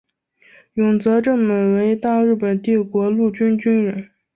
永泽正美为大日本帝国陆军军人。